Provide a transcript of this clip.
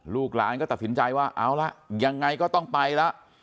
ลูกหลานก็ตัดสินใจว่าเอาละยังไงก็ต้องไปแล้ว